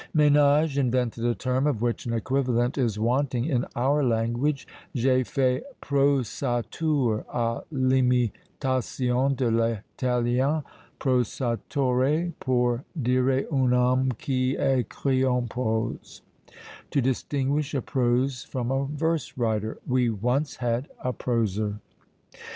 Menage invented a term of which an equivalent is wanting in our language; "J'ai fait prosateur à l'imitation de l'italien prosatore, pour dire un homme qui écrit en prose." To distinguish a prose from a verse writer, we once had "a proser."